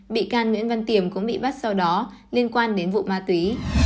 bị can nguyễn văn tiềm cũng bị bắt sau đó liên quan đến vụ ma túy